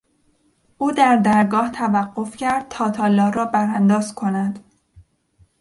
او در درگاه توقف کرد تا تالار را برانداز کند.